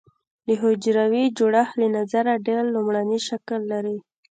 د حجروي جوړښت له نظره ډېر لومړنی شکل لري.